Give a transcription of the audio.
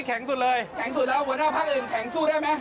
แข็งสุดแล้วหัวหน้าภาคอื่นแข็งสู้ได้มั้ย